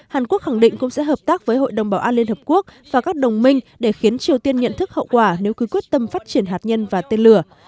hàn quốc khẳng định cũng sẽ hợp tác với hội đồng bảo an liên hợp quốc và các đồng minh để khiến triều tiên nhận thức hậu quả nếu cứ quyết tâm phát triển hạt nhân và tên lửa